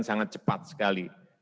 berjalan sangat cepat sekali